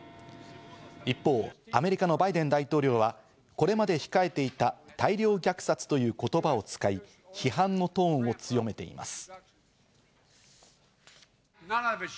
一方、アメリカのバイデン大統領はこれまで控えていた大量虐殺という言葉を使い、批判のトーンを強めています。